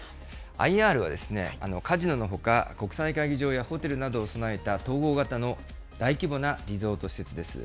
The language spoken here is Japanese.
ＩＲはカジノのほか、国際会議場やホテルなどを備えた統合型の大規模なリゾート施設です。